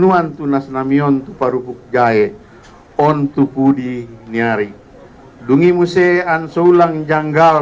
davantoon nasnamion berhubung jahe untuk udineari ungimu seananka ulang janggal